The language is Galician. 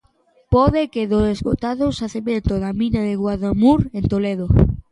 Pode que do esgotado xacemento da mina de Guadamur en Toledo.